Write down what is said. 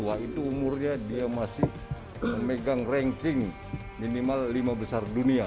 wah itu umurnya dia masih memegang ranking minimal lima besar dunia